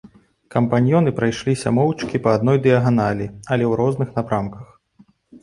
Кампаньёны прайшліся моўчкі па адной дыяганалі, але ў розных напрамках.